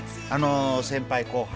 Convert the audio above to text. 先輩後輩